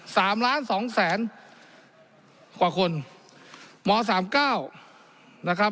สามล้านสองแสนกว่าคนหมอสามเก้านะครับ